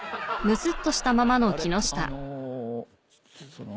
その。